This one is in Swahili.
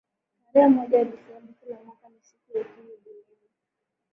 tarehe moja desemba kila mwaka ni siku ya ukimwi duniani